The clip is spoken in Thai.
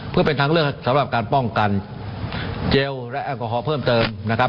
เพื่อเป็นทางเลือกสำหรับการป้องกันเจลและแอลกอฮอลเพิ่มเติมนะครับ